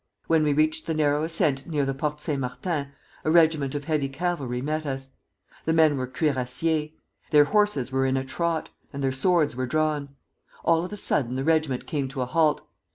When we reached the narrow ascent near the Porte Saint Martin, a regiment of heavy cavalry met us. The men were Cuirassiers. Their horses were in a trot, and their swords were drawn. All of a sudden the regiment came to a halt.